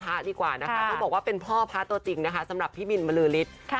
พระพระภัทร์ดีกว่านะคะต้องบอกว่าเป็นพ่อพระธรรมจริงสำหรับพี่บิลบริษฐ์